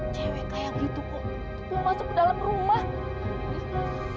cewek kayak gitu kok mau masuk ke dalam rumah